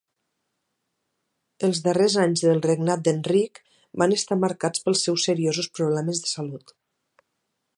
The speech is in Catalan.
Els darrers anys del regnat d'Enric van estar marcats pels seus seriosos problemes de salut.